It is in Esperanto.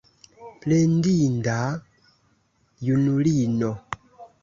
Plendinda junulino!